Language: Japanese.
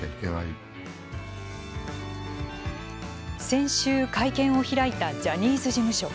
先週、会見を開いたジャニーズ事務所。